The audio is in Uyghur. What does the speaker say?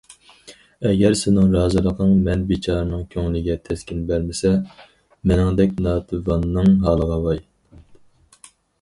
ئەگەر سېنىڭ رازىلىقىڭ مەن بىچارىنىڭ كۆڭلىگە تەسكىن بەرمىسە، مېنىڭدەك ناتىۋاننىڭ ھالىغا ۋاي!